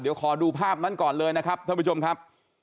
เดี๋ยวขอดูภาพนั้นก่อนเลยนะครับท่านผู้ชมครับ